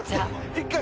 １回。